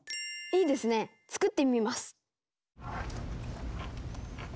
いいですね作ってみます。